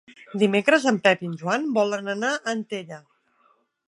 Dimecres en Pep i en Joan volen anar a Antella.